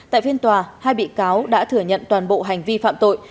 tại phiên tòa hai bị cáo đã thừa nhận toàn bộ hành vi phạm tội